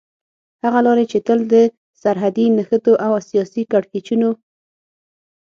هغه لارې چې تل د سرحدي نښتو او سياسي کړکېچونو